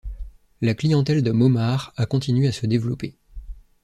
La clientèle de Momart a continué à se développer.